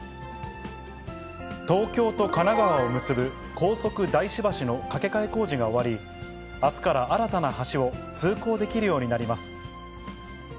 東京と神奈川を結ぶ高速大師橋の架け替え工事が終わり、あすから新たな橋を通行できるようになります。